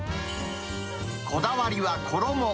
こだわりは衣。